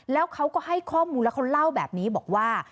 แล้วเขาก็ให้ข้อมูลแล้วเขาเล่าแบบนี้บอกว่า